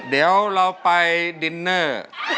เดี๋ยวเราไปดินเนอร์